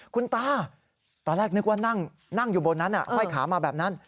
คุณตาตอนแรกนึกว่านั่งอยู่บนนั้นห้อยขามาแบบนั้น